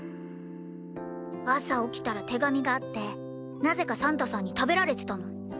朝起きたら手紙があってなぜかサンタさんに食べられてたの。